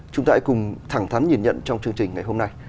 chúng ta hãy cùng thẳng thắn nhìn nhận trong chương trình ngày hôm nay